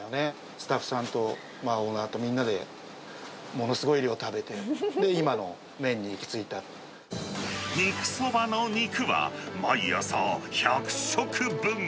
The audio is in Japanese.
スタッフさんとオーナーとみんなでものすごい量食べて、肉そばの肉は、毎朝、１００食分。